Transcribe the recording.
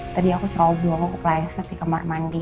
tadi aku cowok dulu aku kelas di kamar mandi